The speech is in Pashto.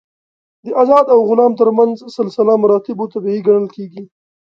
د آزاد او غلام تر منځ سلسله مراتبو طبیعي ګڼل کېږي.